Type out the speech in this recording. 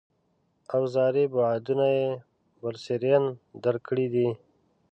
اوزاري بعدونه یې برسېرن درک کړي دي.